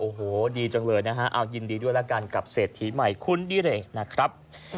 โอ้โหดีจังเลยนะฮะเอายินดีด้วยแล้วกันกับเศรษฐีใหม่คุณดิเรกนะครับ